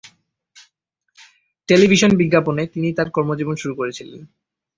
Television বিজ্ঞাপনে তিনি তার কর্মজীবন শুরু করেছিলেন।